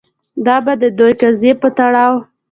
دا به د دوی د قضیې په تړاو